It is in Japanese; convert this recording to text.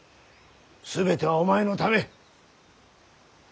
全てはお前のため。